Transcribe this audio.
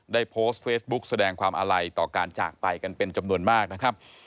ได้โพสต์เฟซบุ๊กแสดงความอาลัยต่อการจากไปกันเป็นจำนวนมากนะครับ